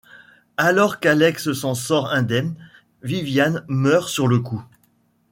Alors qu'Alex s'en sort indemne, Vivianne meurt sur le coup.